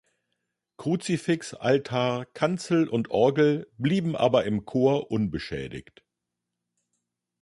Kruzifix, Altar, Kanzel und Orgel blieben aber im Chor unbeschädigt.